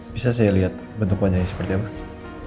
bisa saya lihat bentuk wajahnya seperti apa